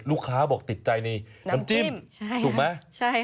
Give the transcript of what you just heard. ลูกค้าบอกติดใจในน้ำจิ้มถูกไหม